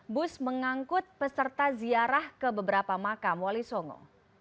bus mengangkut peserta ziarah ke beberapa makam wali songo